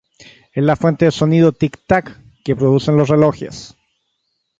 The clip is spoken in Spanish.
Es la fuente del sonido de "tic tac" que producen los relojes.